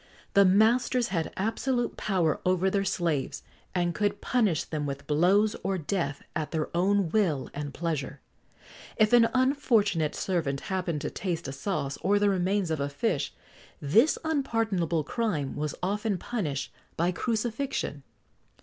The masters had absolute power over their slaves, and could punish them with blows or death at their own will and pleasure.[XX 97] If an unfortunate servant happened to taste a sauce, or the remains of a fish, this unpardonable crime was often punished by crucifixion.